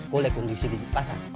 kolek kondisi di pasar